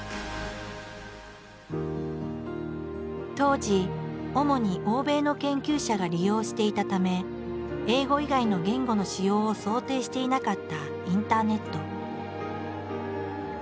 当時主に欧米の研究者が利用していたため英語以外の言語の使用を想定していなかったインターネット。